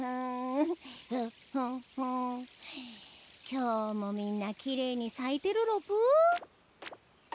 今日もみんなきれいに咲いてるロプ。